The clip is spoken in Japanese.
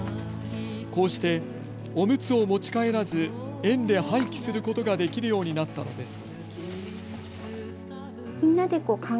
こうしておむつを持ち帰らず園で廃棄することができるようになったのです。